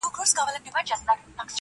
د زړه غوټه چي لارې ته ولاړه ده حيرانه~